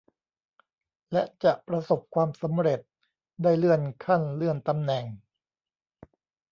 และจะประสบความสำเร็จได้เลื่อนขั้นเลื่อนตำแหน่ง